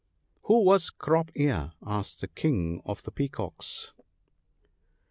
' Who was Crop ear ?' asked the King of the Peacocks.